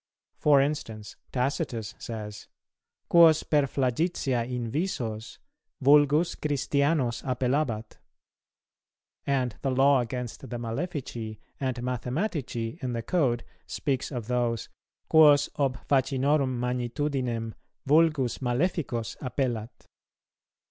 For instance, Tacitus says, "Quos per flagitia invisos, vulgus Christianos appellabat;" and the Law against the Malefici and Mathematici in the Code speaks of those, "Quos ob facinorum magnitudinem vulgus maleficos appellat."